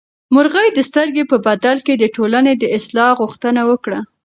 مرغۍ د سترګې په بدل کې د ټولنې د اصلاح غوښتنه وکړه.